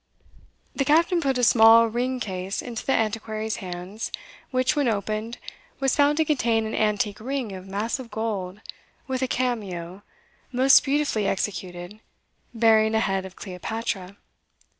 The captain put a small ring case into the Antiquary's hands, which, when opened, was found to contain an antique ring of massive gold, with a cameo, most beautifully executed, bearing a head of Cleopatra.